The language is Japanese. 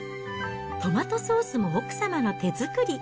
トマトソースも奥様の手作り。